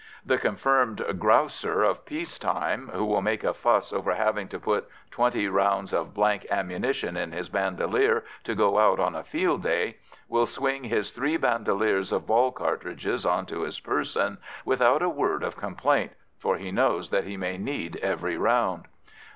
The confirmed "grouser" of peace time, who will make a fuss over having to put twenty rounds of blank ammunition in his bandolier to go out on a field day, will swing his three bandoliers of ball cartridges on to his person without a word of complaint, for he knows that he may need every round.